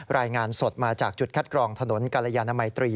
รายงานสดมาจากจุดคัดกรองถนนกรยานมัยตรี